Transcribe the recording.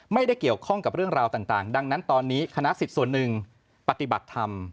ไม่ได้เกี่ยวข้องกับเรื่องราวต่างดังนั้นตอนนี้คณะสิทธิ์ส่วนหนึ่งปฏิบัติธรรม